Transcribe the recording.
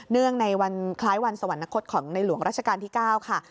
เนื่องในคล้ายวันสวรรค์นครของในหลวงราชการที่๙ค่ะ